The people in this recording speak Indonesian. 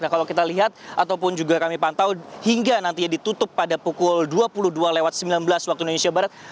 kalau kita lihat ataupun juga kami pantau hingga nantinya ditutup pada pukul dua puluh dua sembilan belas waktu indonesia barat